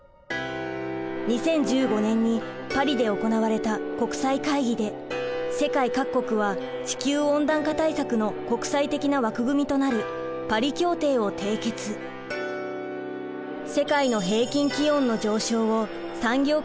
２０１５年にパリで行われた国際会議で世界各国は地球温暖化対策の国際的な枠組みとなるパリ協定を締結。を目標に掲げました。